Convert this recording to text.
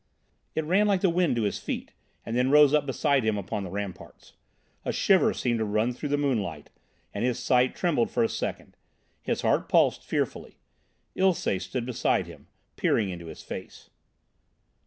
It ran like the wind to his feet and then rose up beside him upon the ramparts. A shiver seemed to run through the moonlight, and his sight trembled for a second. His heart pulsed fearfully. Ilsé stood beside him, peering into his face.